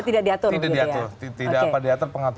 tidak diatur pengaturan itu di dalam undang undang pemilu